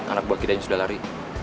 anak buah kita yang sudah lari